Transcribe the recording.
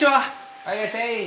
はいいらっしゃい！